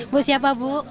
bu siapa bu